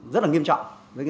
rất là nghiêm trọng